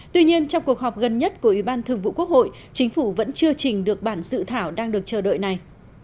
tuy nhiên trong cuộc họp gần nhất của ủy ban thường vụ quốc hội chính phủ vẫn chưa trình được bản sự thảo đang được chờ đợi này